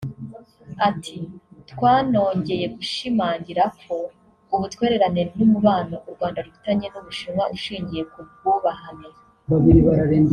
Ati “Twanongeye gushimangira ko ubutwererane n’umubano u Rwanda rufitanye n’u Bushinwa ushingiye ku bwubahane